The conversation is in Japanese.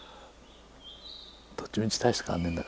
どっちみち大して変わんねえんだから。